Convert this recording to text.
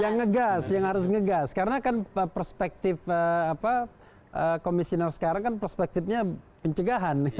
yang ngegas yang harus ngegas karena kan perspektif komisioner sekarang kan perspektifnya pencegahan